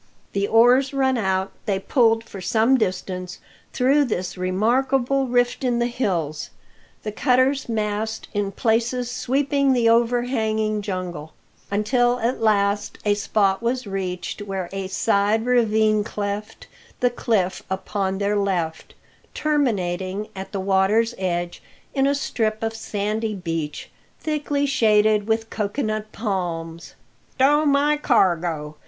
The oars run out, they pulled for some distance through this remarkable rift in the hills, the cutter's mast in places sweeping the overhanging jungle; until at last a spot was reached where a side ravine cleft the cliff upon their left, terminating at the water's edge in a strip of sandy beach, thickly shaded with cocoa nut palms. "Stow my cargo!"